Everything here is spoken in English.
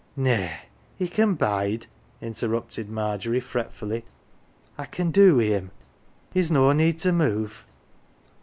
Nay, he can bide," interrupted Margery, fretfully, " I can do wi' him ; he's no need to move."